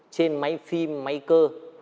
trên máy phim máy cơ